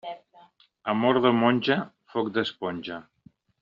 Amor de monja, foc d'esponja.